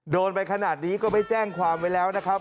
โดนไปขนาดนี้ก็ไม่แจ้งความไว้แล้วนะครับ